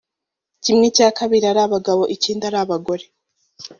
kimwe cya kabiri ari abagabo ikindi ari abagore